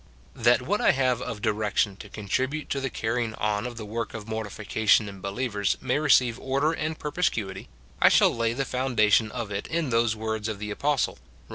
That what I have of dh'ection to contribute to the carrying on of the work of mortification in believers may receive order and perspicuity, I shall lay the foundation of it in those words of the apostle, Rom.